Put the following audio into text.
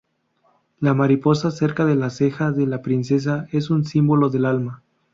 La mariposa cerca de la ceja de la princesa es un símbolo del alma.